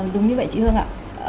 đúng như vậy chị hương ạ